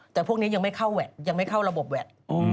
แต่พวกนี้ยังไม่เข้าระบบแหวด